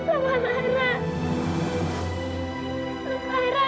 ayah udah benci sama lara